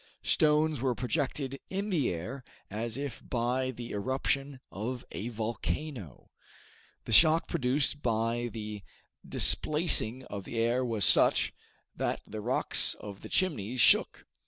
Stones were projected in the air as if by the eruption of a volcano. The shock produced by the displacing of the air was such, that the rocks of the Chimneys shook.